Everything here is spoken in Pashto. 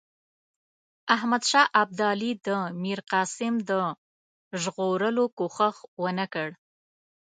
احمدشاه ابدالي د میرقاسم د ژغورلو کوښښ ونه کړ.